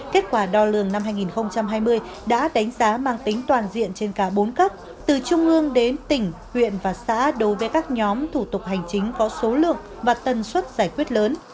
kết quả đo lường năm hai nghìn hai mươi đã đánh giá mang tính toàn diện trên cả bốn cấp từ trung ương đến tỉnh huyện và xã đối với các nhóm thủ tục hành chính có số lượng và tần suất giải quyết lớn